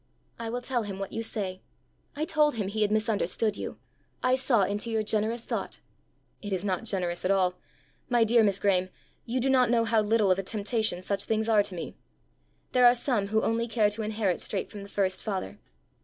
"I will tell him what you say. I told him he had misunderstood you. I saw into your generous thought." "It is not generous at all. My dear Miss Graeme, you do not know how little of a temptation such things are to me! There are some who only care to inherit straight from the first Father.